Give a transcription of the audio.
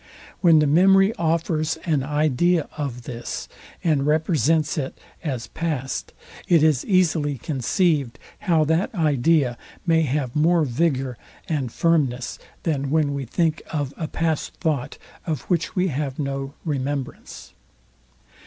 When the memory offers an idea of this, and represents it as past, it is easily conceived how that idea may have more vigour and firmness, than when we think of a past thought, of which we have no remembrance.